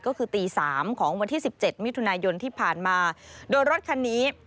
ก็คือตี๓ของวันที่๑๗มิถุนายนที่ผ่านมาโดนรถคันนี้